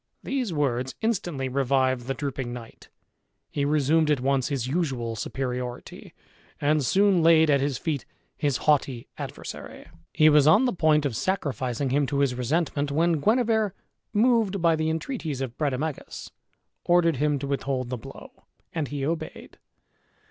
These words instantly revived the drooping knight; he resumed at once his usual superiority, and soon laid at his feet his haughty adversary. He was on the point of sacrificing him to his resentment, when Guenever, moved by the entreaties of Brademagus, ordered him to withhold the blow, and he obeyed.